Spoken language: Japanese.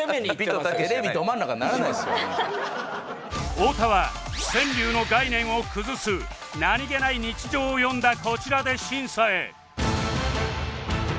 太田は川柳の概念を崩す何げない日常を詠んだこちらで審査へ